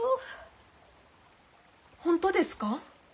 本当ですか？